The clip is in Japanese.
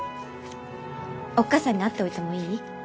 おっ母さんに会っておいてもいい？